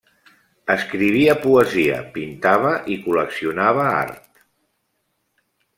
Escrivia poesia, pintava i col·leccionava art.